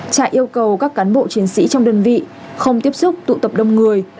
trại yêu cầu các cán bộ chiến sĩ trong đơn vị không tiếp xúc tụ tập đông người